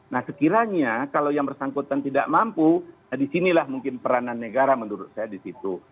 nah sekiranya kalau yang bersangkutan tidak mampu disinilah mungkin peranan negara menurut saya di situ